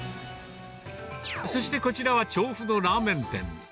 そしてこちらは調布のラーメン店。